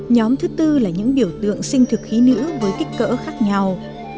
nhóm thứ tư là những biểu tượng sinh thực khí nữ với kích cỡ khác nhau